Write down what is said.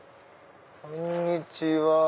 こんにちは。